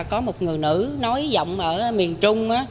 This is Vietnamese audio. có một người nữ nói giọng ở miền trung